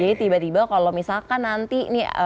jadi tiba tiba kalau misalkan nanti nih